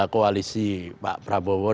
koalisi pak prabowo